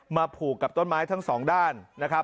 ผูกกับต้นไม้ทั้งสองด้านนะครับ